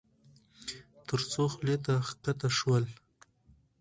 تر څو خولې ته کښته شول.